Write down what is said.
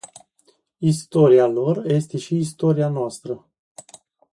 Istoria lor este și istoria noastră.